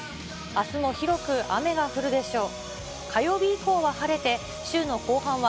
あすも広く雨が降るでしょう。